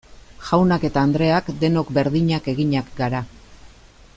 Jaunak eta andreak denok berdinak eginak gara.